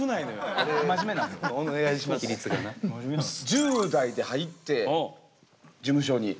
１０代で入って事務所に。